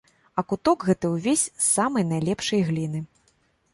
А куток гэты ўвесь з самай найлепшай гліны.